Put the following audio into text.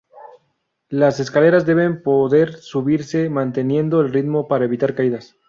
Las escaleras deben poder subirse manteniendo el ritmo para evitar caídas.